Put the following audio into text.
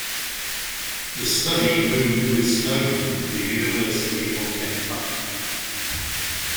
The study moved with Snowdon to the University of Kentucky.